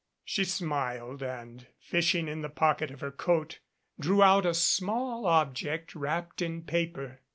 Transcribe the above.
She smiled, and, fishing in the pocket of her coat, drew out a small object wrapped in paper.